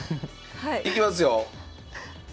いきますよ。